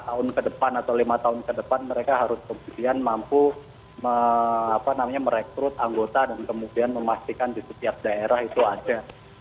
tahun ke depan atau lima tahun ke depan mereka harus kemudian mampu merekrut anggota dan kemudian memastikan di setiap daerah itu ada